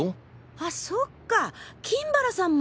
あそっか金原さんも。